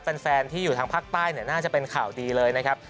แฟนที่อยู่ทางภาคใต้น่าจะเป็นข่าวดีเลยนะครับ